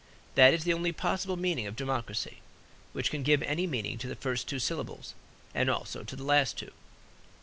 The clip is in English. That is the only possible meaning of democracy, which can give any meaning to the first two syllables and also to the last two.